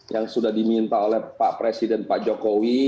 yang sudah diminta oleh pak presiden pak jokowi